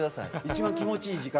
一番気持ちいい時間？